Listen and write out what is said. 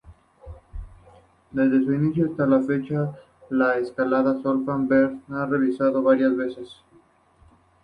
Desde el inicio hasta la fecha, la Escala Stanford-Binet se ha revisado varias veces.